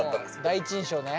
第一印象ね。